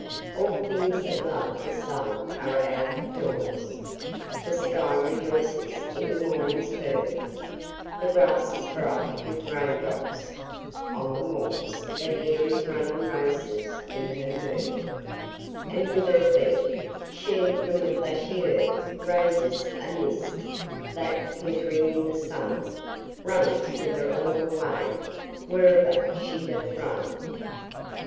All things that love the sun are out of doors, The sky rejoices in the morning's birth, The grass is bright with rain drops; on the moors The hare is running races in her mirth; And with her feet, she from the plashy earth Raises a mist, that, glittering in the sun, Runs with her all the way, wherever she doth run.